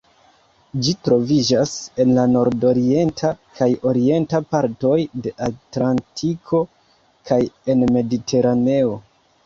Ĝi troviĝas en la nordorienta kaj orienta partoj de Atlantiko kaj en Mediteraneo.